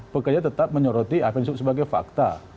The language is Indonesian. pekerja tetap menyoroti apensub sebagai fakta